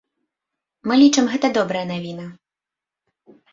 Мы лічым, гэта добрая навіна.